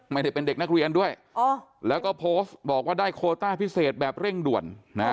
ไม่ได้เป็นเด็กนักเรียนด้วยแล้วก็โพสต์บอกว่าได้โคต้าพิเศษแบบเร่งด่วน